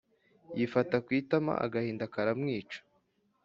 yifata kwitama agahinda karamwica